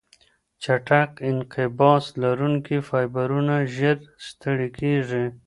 چټک انقباض لرونکي فایبرونه ژر ستړې کېږي.